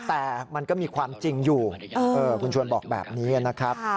แต่มันก็มีความจริงอยู่คุณชวนบอกแบบนี้นะครับ